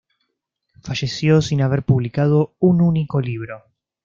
Falleció sin haber publicado un único libro.